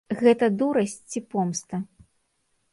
Гэта дурасць ці помста?